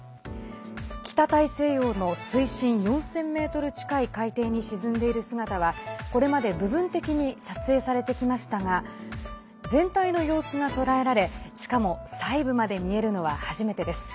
北大西洋の水深４０００ｍ近い海底に沈んでいる姿はこれまで部分的に撮影されてきましたが全体の様子が捉えられしかも細部まで見えるのは初めてです。